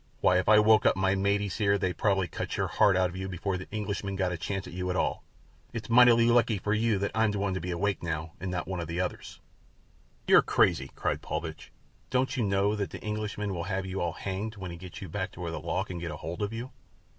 Why, if I woke up my maties here they'd probably cut your heart out of you before the Englishman got a chance at you at all. It's mighty lucky for you that I'm the one to be awake now and not none of the others." "You're crazy," cried Paulvitch. "Don't you know that the Englishman will have you all hanged when he gets you back where the law can get hold of you?"